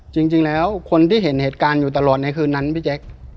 จริงแล้วคนที่เห็นเหตุการณ์อยู่ตลอดในคืนนั้นพี่แจ๊ค